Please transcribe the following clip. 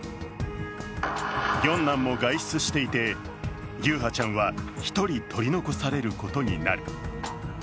四男も外出していて、優陽ちゃんは１人取り残されることになる。